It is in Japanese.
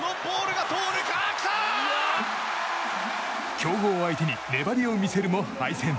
強豪相手に粘りを見せるも敗退。